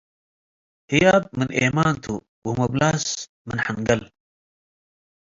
ህያብ ምን ኤማን ቱ ወምብላስ ምን ሐንገል።